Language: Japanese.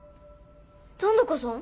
残高さん？